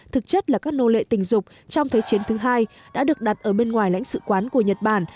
thực chất là các nô lệ tình dục trong thế chiến thứ hai đã được đặt ở bên ngoài lãnh sự quán của nhật bản